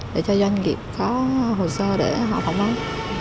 để cho doanh nghiệp có hồ sơ để họ phỏng vấn